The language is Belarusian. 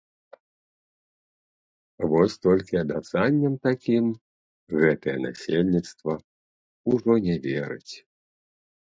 Вось толькі абяцанням такім гэтае насельніцтва ўжо не верыць.